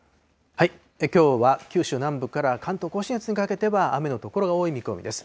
きょうは九州南部から関東甲信越にかけては雨の所が多い見込みです。